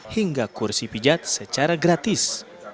hingga kursi pijat secara gratis